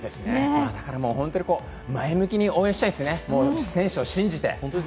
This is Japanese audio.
ホントに前向きに応援したいですね、選手を信じて。